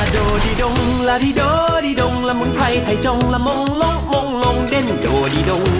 ดดิดงลดดิและดดดดยอง